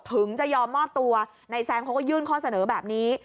ถึงจะยอมมอบตัวนายแซมเขาก็ยื่นข้อเสนอแบบนี้